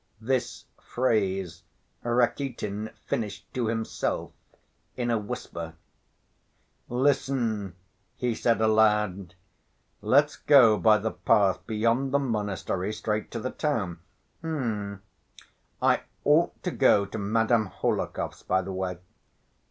This phrase Rakitin finished to himself in a whisper. "Listen!" he said aloud, "let's go by the path beyond the monastery straight to the town. Hm! I ought to go to Madame Hohlakov's by the way.